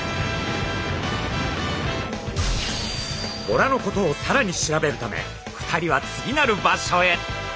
ボラのことをさらに調べるため２人は次なる場所へ！